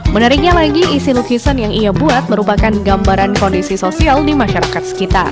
menariknya lagi isi lukisan yang ia buat merupakan gambaran kondisi sosial di masyarakat sekitar